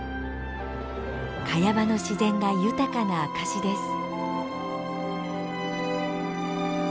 カヤ場の自然が豊かな証しです。